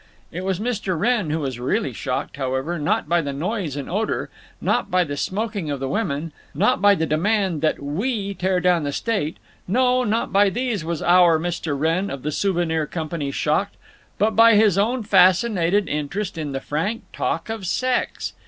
It was Mr. Wrenn who was really shocked, however, not by the noise and odor; not by the smoking of the women; not by the demand that "we" tear down the state; no, not by these was Our Mr. Wrenn of the Souvenir Company shocked, but by his own fascinated interest in the frank talk of sex.